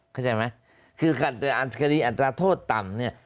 เข้าใจไหมคือคดีอัตราโทษต่ำเนี่ย